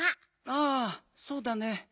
ああそうだね。